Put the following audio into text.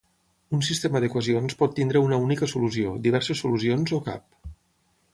Un sistema d'equacions pot tenir una única solució, diverses solucions, o cap.